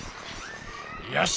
よし。